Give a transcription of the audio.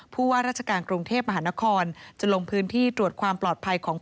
ผู้ว่าราชการกรุงเทพมหานครจะลงพื้นที่ตรวจความปลอดภัยของ